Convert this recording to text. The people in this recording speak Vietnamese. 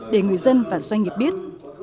để người dân và doanh nghiệp biết